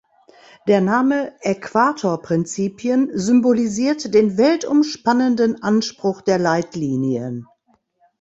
Der Name ‚Äquator-Prinzipien’ symbolisiert den weltumspannenden Anspruch der Leitlinien.